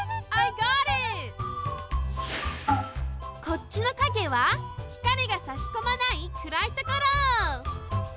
こっちの陰はひかりがさしこまないくらいところ。